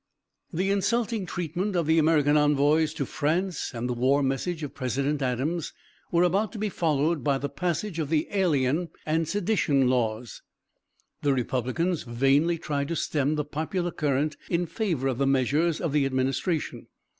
The insulting treatment of the American envoys to France and the war message of President Adams were about to be followed by the passage of the alien and sedition laws. The Republicans vainly tried to stem the popular current in favor of the measures of the administration.